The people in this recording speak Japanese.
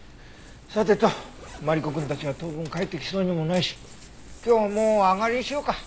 さてとマリコくんたちは当分帰ってきそうにもないし今日はもう上がりにしようか。